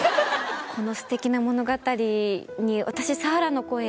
このステキな物語に私。